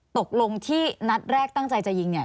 ตกลงที่รักตั้งใจจะยิง